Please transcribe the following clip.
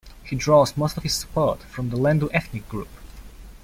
He draws most of his support from the Lendu ethnic group.